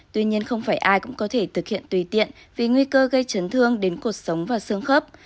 tuy nhiên không phải ai cũng có thể thực hiện tùy tiện vì nguy cơ gây chấn thương đến cuộc sống và xương khớp